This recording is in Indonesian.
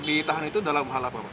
di tahan itu dalam hal apa